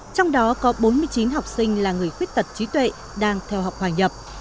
trong đó có bốn mươi chín học sinh là người khuyết tật trí tuệ đang theo học hòa nhập